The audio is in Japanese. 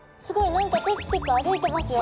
何かテクテク歩いてますよ。